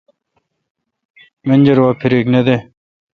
منجر وا فیرک نہ دے۔